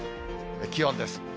気温です。